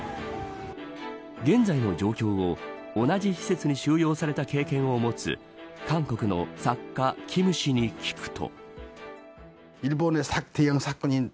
現在の状況を同じ施設に収容された経験を持つ韓国の作家、キム氏に聞くと。